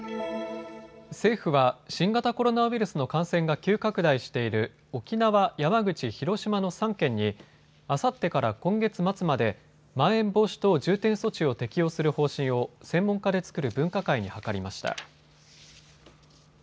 政府は新型コロナウイルスの感染が急拡大している沖縄、山口、広島の３県にあさってから今月末までまん延防止等重点措置を適用する方針を専門家で作る分科会に諮りました。